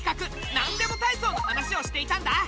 「なんでもたいそう」の話をしていたんだ。